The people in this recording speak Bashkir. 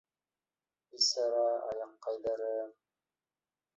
—Бисара аяҡҡайҙарым!